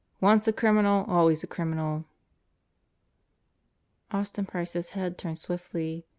Once a criminal always a criminal." Austin Price's head turned swiftly.